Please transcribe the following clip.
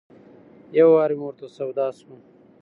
یو وار مې ورته سودا شوه.